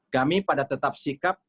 kami pada tetap sikap